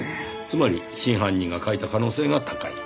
つまり真犯人が書いた可能性が高い。